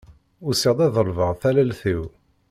Usiɣ-d ad ḍelbeɣ tallelt-im.